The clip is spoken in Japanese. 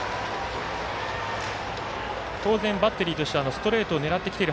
当然、バッテリーとしてはストレートを狙ってきている